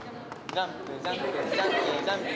ジャンプジャンプジャンプジャンプ。